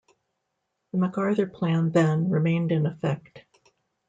The MacArthur Plan, then, remained in effect.